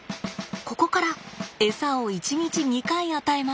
ここからエサを１日２回与えます。